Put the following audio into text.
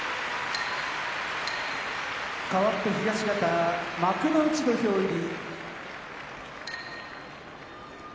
かわって東方幕内土俵入り。